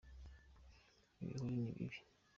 ibihuru ni bibi